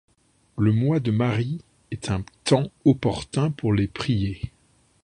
Le mois de Marie est un temps opportun pour les prier.